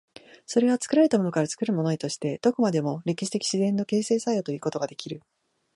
それは作られたものから作るものへとして、どこまでも歴史的自然の形成作用ということができる。